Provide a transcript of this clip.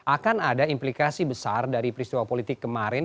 akan ada implikasi besar dari peristiwa politik kemarin